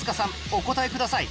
お答えください